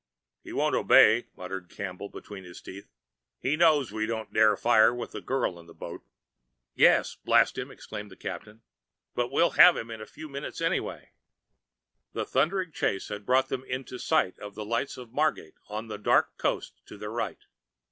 "He won't obey," muttered Campbell between his teeth. "He knows we daren't fire with the girl in the boat." "Yes, blast him!" exclaimed the captain. "But we'll have him in a few minutes, anyway." The thundering chase had brought them into sight of the lights of Margate on the dark coast to their right.